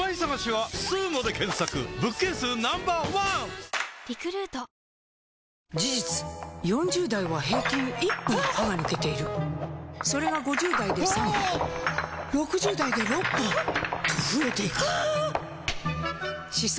新「アタック抗菌ＥＸ部屋干し用」事実４０代は平均１本歯が抜けているそれが５０代で３本６０代で６本と増えていく歯槽